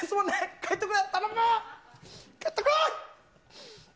帰ってくれ。